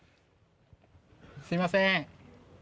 すみません。